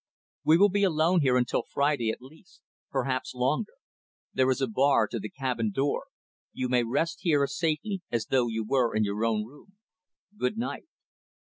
We will be alone here, until Friday, at least; perhaps longer. There is a bar to the cabin door. You may rest here as safely as though you were in your own room. Good night."